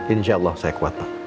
insya allah saya kuat pak